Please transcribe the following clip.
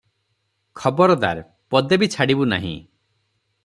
ଖବରଦାର! ପଦେ ବି ଛାଡିବୁ ନାହିଁ ।"